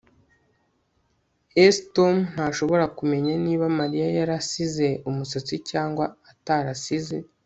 S Tom ntashobora kumenya niba Mariya yarasize umusatsi cyangwa atarisize